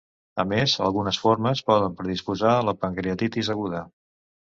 A més, algunes formes poden predisposar a la pancreatitis aguda.